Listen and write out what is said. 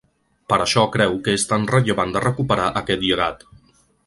Per això creu que és tan rellevant de recuperar aquest llegat.